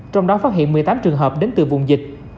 trong đó phát hiện một mươi tám trường hợp đến từ vùng dịch